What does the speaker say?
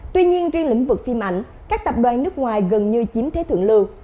tuy nhiên riêng lĩnh vực phim ảnh các tập đoàn nước ngoài gần như chiếm thế thượng lưu